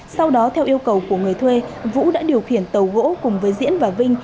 sau đó theo yêu cầu của người thuê vũ đã điều khiển tàu gỗ cùng với diễn và vinh